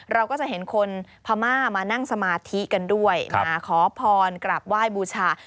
เราก็จะเห็นคนพม่ามานั่งสมาธิกันด้วยมาขอพรกราบไหว้บูชา